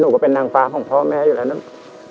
ก็เป็นนางฟ้าของพ่อแม่อยู่แล้วเนอะ